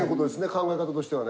考え方としては。